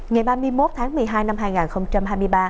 ngày ba mươi một tháng một mươi hai năm hai nghìn hai mươi ba